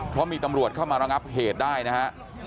เพราะมีตำรวจเข้ามาระงับเหตุได้นะฮะ